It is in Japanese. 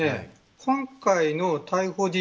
今回の逮捕事実